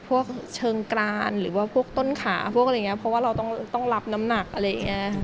พวกเชิงกรานหรือว่าพวกต้นขาพวกอะไรอย่างนี้เพราะว่าเราต้องรับน้ำหนักอะไรอย่างนี้